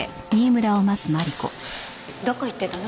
どこ行ってたの？